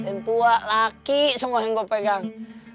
yang tua laki semua yang gue pegang